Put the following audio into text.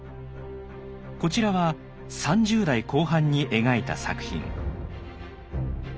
こちらは３０代後半に描いた作品。